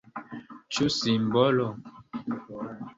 Ĉu simbolo?